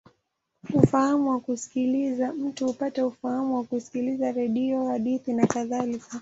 Ufahamu wa kusikiliza: mtu hupata ufahamu kwa kusikiliza redio, hadithi, nakadhalika.